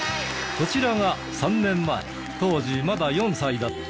こちらが３年前当時まだ４歳だった